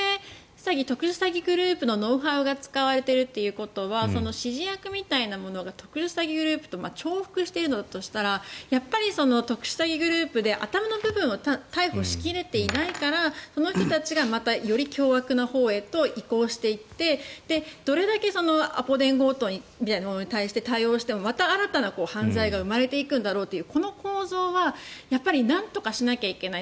詐欺特殊詐欺グループのノウハウが使われているということは指示役みたいな者が特殊詐欺グループと重複しているんだとしたらやっぱり特殊詐欺グループで頭の部分を逮捕しきれていないからその人たちがまたより凶悪なほうへと移行していってどれだけアポ電強盗みたいなものに対応してもまた新たな犯罪が生まれていくんだろうというこの構造はなんとかしないといけない。